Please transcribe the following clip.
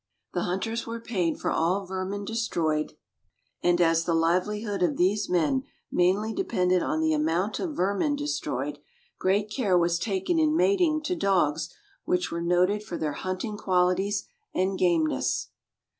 The hunters were paid for all vermin destroyed; and as the livelihood of these men mainly depended on the amount of vermin destroyed, great care was taken in mating to dogs which were noted for their hunting qualities and gameness.